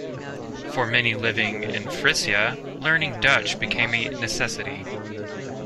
For many living in Frisia, learning Dutch became a necessity.